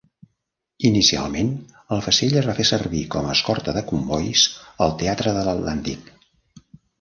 Inicialment, el vaixell es va fer servir com a escorta de combois al teatre de l'Atlàntic.